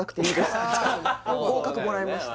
合格もらえました